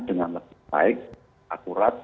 dengan lebih baik akurat